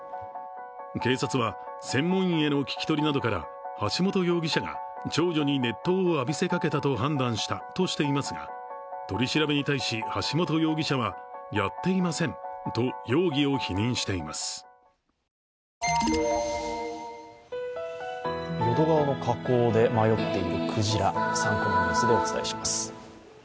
警察は、専門医への聞き取りなどから橋本容疑者が長女に熱湯を浴びせかけたと判断したとしていますが取り調べに対し、橋本容疑者はやっていませんと「気になる！